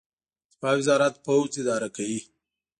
دفاع وزارت پوځ اداره کوي